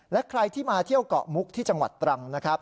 และใครที่มาเที่ยวเกาะมุกที่จังหวัดตรังนะครับ